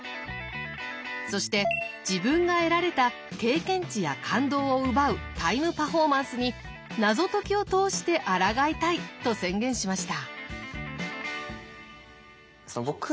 そして自分が得られた経験値や感動を奪うタイムパフォーマンスに謎解きを通してあらがいたいと宣言しました。